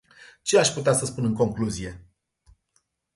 Ce aș putea să spun în concluzie?